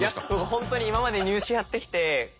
本当に今まで「ニュー試」やってきてえっ